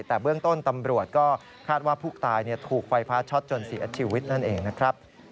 แต่เบื้องต้นตำรวจก็คาดว่าผู้ตายถูกไฟฟ้าช็อตจนเสียชีวิตนั่นเองนะครับ